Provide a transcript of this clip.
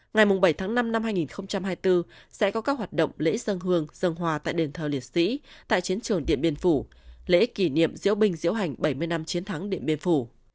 ngày bảy tháng năm năm hai nghìn hai mươi bốn sẽ có các hoạt động lễ dân hương dân hòa tại đền thờ liệt sĩ tại chiến trường điện biên phủ lễ kỷ niệm diễu bình diễu hành bảy mươi năm chiến thắng điện biên phủ